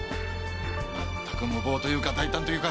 全く無謀というか大胆というか。